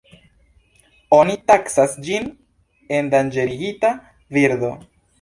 Oni taksas ĝin endanĝerigita birdo.